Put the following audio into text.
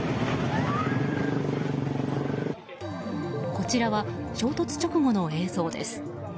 こちらは、衝突直後の映像です。